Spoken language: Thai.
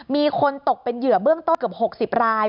มีคนตกเป็นเหยื่อเบื้องต้นเกือบ๖๐ราย